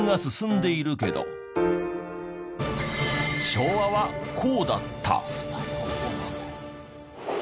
昭和はこうだった。